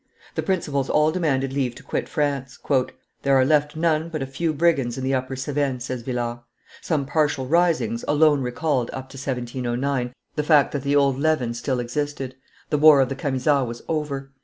The principals all demanded leave to quit France. "There are left none but a few brigands in the Upper Cevennes," says Villars. Some partial risings, alone recalled, up to 1709, the fact that the old leaven still existed; the war of the Camisards was over.